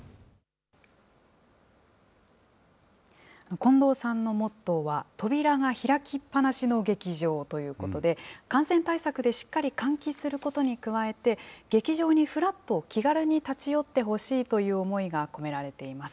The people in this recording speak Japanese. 近藤さんのモットーは、扉が開きっぱなしの劇場ということで、感染対策でしっかり換気することに加えて、劇場にふらっと気軽に立ち寄ってほしいという思いが込められています。